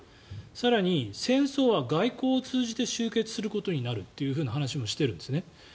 更に、戦争は外交を通じて終結することになるという話もしているんですね。